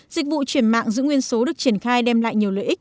dịch vụ chuyển mạng giữ nguyên số được triển khai đem lại nhiều lợi ích